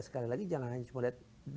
sekali lagi jangan hanya cuma lihat